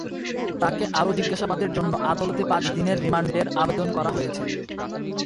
তাঁকে আরও জিজ্ঞাসাবাদের জন্য আদালতে পাঁচ দিনের রিমান্ডের আবেদন করা হয়েছে।